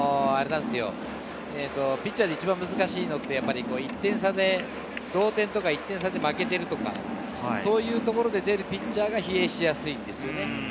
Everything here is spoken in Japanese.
ピッチャーで一番難しいのは、同点や１点差で負けているとか、そういうところで出るピッチャーは疲弊しやすいんですよね。